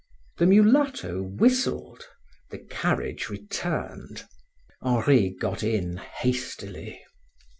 The mulatto whistled, the carriage returned. Henri got in hastily.